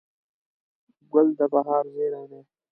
ګل د بهار زېری دی.